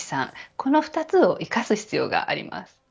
この２つを生かす必要があります。